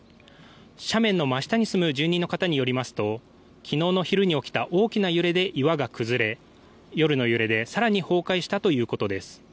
斜面の真下に住む住民の方によりますと昨日の昼に起きた大きな揺れで岩が崩れ、夜の揺れで更に崩壊したということです。